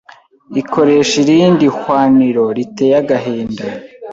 ikoresha irindi hwaniro riteye agahinda